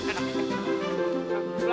serang aja lo